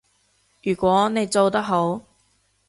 如果你做得好